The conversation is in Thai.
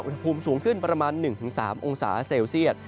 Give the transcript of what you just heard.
อุณหภูมิสูงขึ้นประมาณ๑๓องศาเซลเซียต